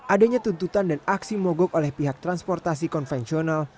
adanya tuntutan dan aksi mogok oleh pihak transportasi konvensional